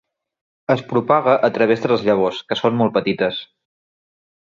Es propaga a través de les llavors que són molt petites.